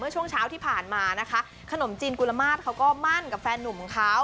ช่วงเช้าที่ผ่านมานะคะขนมจีนกุลมาตรเขาก็มั่นกับแฟนหนุ่มของเขา